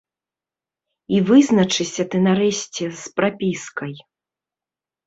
І вызначыся ты нарэшце з прапіскай.